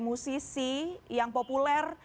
musisi yang populer